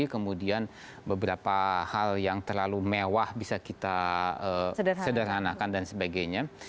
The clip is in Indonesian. kemudian beberapa hal yang terlalu mewah bisa kita sederhanakan dan sebagainya